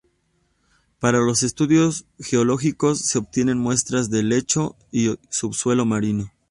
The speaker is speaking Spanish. Para los estudios geológicos, se obtienen muestras del lecho y subsuelo marino.